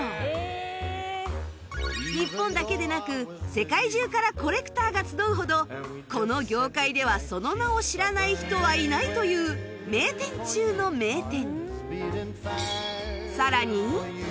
日本だけでなく世界中からコレクターが集うほどこの業界ではその名を知らない人はいないという名店中の名店